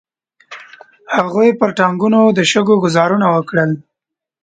هغوی پر ټانګونو د شګو ګوزارونه وکړل.